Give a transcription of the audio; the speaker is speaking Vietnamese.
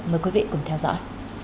mời quý vị cùng theo dõi